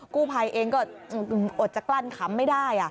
กู้ภัยเองก็อดจะกลั้นขำไม่ได้